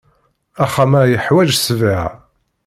Axxam-a yeḥwaj ssbiɣa.